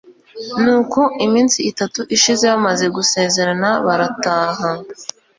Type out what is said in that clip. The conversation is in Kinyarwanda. nuko iminsi itatu ishize bamaze gusezerana barataha